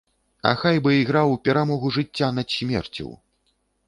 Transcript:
А хай бы іграў перамогу жыцця над смерцю!